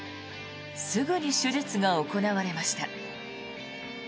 すぐに手術が行われました。